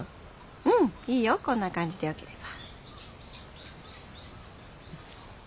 うんいいよこんな感じでよければ。